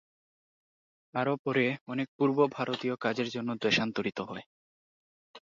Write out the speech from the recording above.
আরও পরে, অনেক পূর্ব ভারতীয় কাজের জন্য দেশান্তরিত হয়।